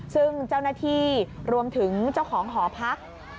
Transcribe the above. ซึ่งเจ้าหน้าที่รวมถึงเจ้าของหอพัก